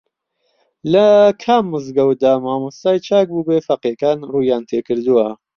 لە کام مزگەوتدا مامۆستای چاک بووبێ فەقێکان ڕوویان تێکردووە